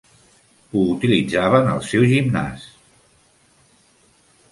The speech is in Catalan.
Ho utilitzava en el seu gimnàs.